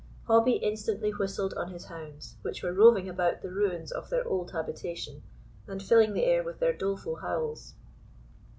Hobbie instantly whistled on his hounds, which were roving about the ruins of their old habitation, and filling the air with their doleful howls.